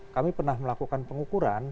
kami pernah melakukan pengukuran